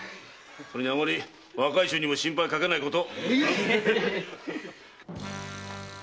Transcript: それにあまり若い衆にも心配かけないこと！